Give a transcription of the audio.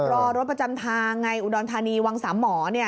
รอรถประจำทางไงอุดรธานีวังสามหมอ